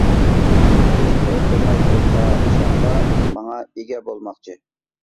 بىز توي قىلماي تۇرۇپلا شەھلا ماڭا ئىگە بولماقچى.